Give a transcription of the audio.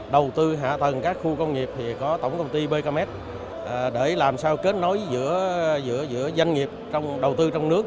đầu tư hạ tầng các khu công nghiệp thì có tổng công ty becamec để làm sao kết nối giữa doanh nghiệp đầu tư trong nước